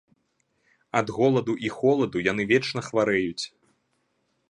Ад голаду і холаду яны вечна хварэюць.